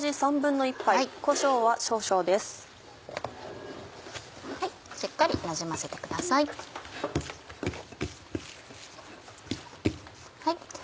しっかりなじませてください。